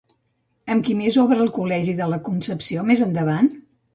Amb qui més obre el Col·legi de la Concepció, més endavant?